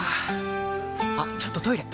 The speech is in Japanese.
あっちょっとトイレ！